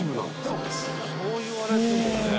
そう言われてもね。